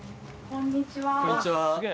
こんにちは。